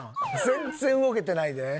全然動けてないで。